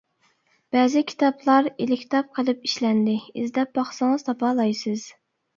بەزى كىتابلار ئېلكىتاب قىلىپ ئىشلەندى، ئىزدەپ باقسىڭىز تاپالايسىز.